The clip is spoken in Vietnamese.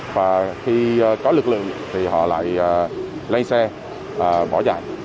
và khi có lực lượng thì họ lại lấy xe bỏ chạy